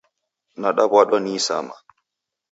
Nadaw'adwa ni isama